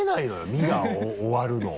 「み」が終わるのを。